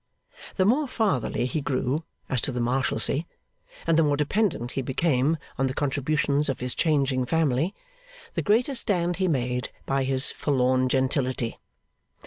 The more Fatherly he grew as to the Marshalsea, and the more dependent he became on the contributions of his changing family, the greater stand he made by his forlorn gentility.